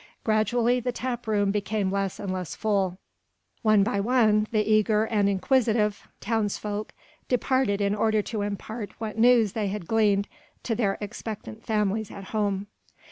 Gradually the tap room became less and less full: one by one the eager and inquisitive townsfolk departed in order to impart what news they had gleaned to their expectant families at home.